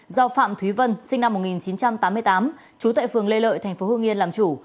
do phạm thúy vân sinh năm một nghìn chín trăm tám mươi tám trú tại phường lê lợi tp hương yên làm chủ